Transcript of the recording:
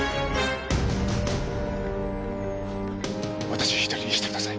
私１人にしてください。